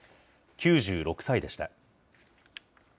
９６歳でした。